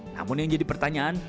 namun yang jadi pertanyaan